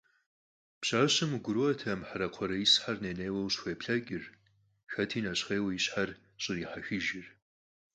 Пщащэм къыгурыӀуэтэкъым Хьэрэ-Кхъуэрэ исхэр ней-нейуэ къыщӀыхуеплъэкӀыр, хэти нэщхъейуэ и щхьэр щӀрихьэхыжыр.